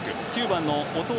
９番の弟